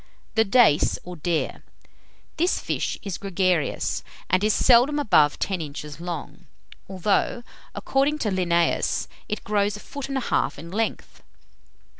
THE DACE, OR DARE. This fish is gregarious, and is seldom above ten inches long; although, according to Linnaeus, it grows a foot and a half in length.